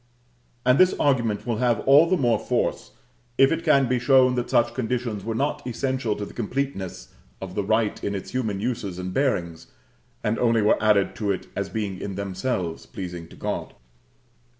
And this argument will have all the more force if it can be shown that such conditions were not essential to the completeness of the rite in its human uses and bearings, and only were added to it as being in themselves pleasing to God.